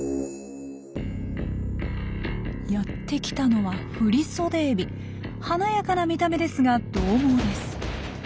やって来たのは華やかな見た目ですがどう猛です。